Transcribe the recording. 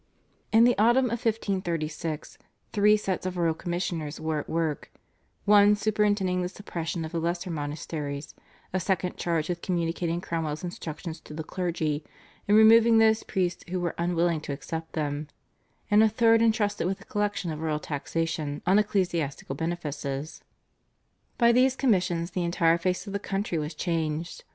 In the autumn of 1536 three sets of royal commissioners were at work, one superintending the suppression of the lesser monasteries, a second charged with communicating Cromwell's instructions to the clergy, and removing those priests who were unwilling to accept them, and a third entrusted with the collection of royal taxation on ecclesiastical benefices. By these commissions the entire face of the country was changed.